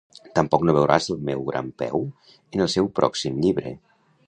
Tampoc no veuràs el meu gran peu en el seu pròxim llibre.